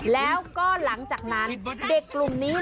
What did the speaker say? แล้วก็หลังจากนั้นเด็กกลุ่มนี้